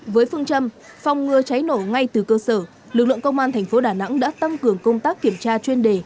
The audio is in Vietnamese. với phương châm phòng ngừa cháy nổ ngay từ cơ sở lực lượng công an thành phố đà nẵng đã tăng cường công tác kiểm tra chuyên đề